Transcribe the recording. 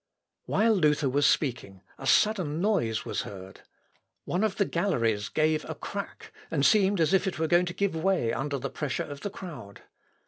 While Luther was speaking, a sudden noise was heard; one of the galleries gave a crack, and seemed as if it were going to give way under the pressure of the crowd.